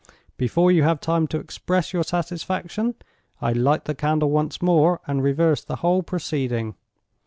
Before you have time to express your satisfaction, I light the candle once more, and reverse the whole proceeding.